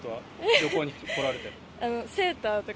旅行に来られて。